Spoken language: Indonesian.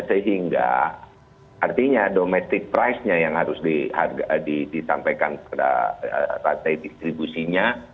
sehingga artinya domestic price nya yang harus disampaikan kepada rantai distribusinya